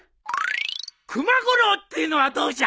熊五郎っていうのはどうじゃ？